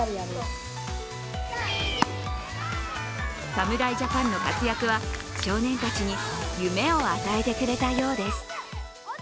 侍ジャパンの活躍は、少年たちに夢を与えてくれたようです。